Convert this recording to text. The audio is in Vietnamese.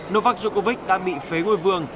novak djokovic đã bị phế ngôi vương